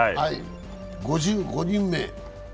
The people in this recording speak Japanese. ５５人目。